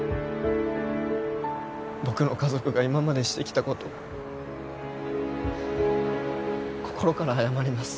僕の家族が今までしてきた事心から謝ります。